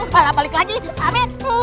balik lagi amin